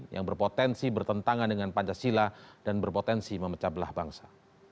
yang berpotensi bertentangan dengan pancasila dan berpotensi memecah belah bangsa